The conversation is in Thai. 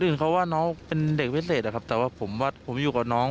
อื่นเขาว่าน้องเป็นเด็กพิเศษอะครับแต่ว่าผมว่าผมอยู่กับน้อง